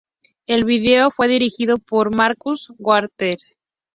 El video fue dirigido por Marcus Wagner.